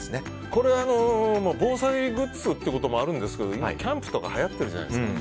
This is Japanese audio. これは、防災グッズということもあるんですけど今、キャンプとかはやってるじゃないですか。